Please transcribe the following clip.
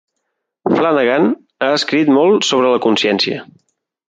Flanagan ha escrit molt sobre la consciència.